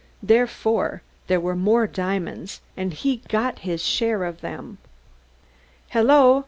Therefore, there were more diamonds, and he got his share of them." "Hello!"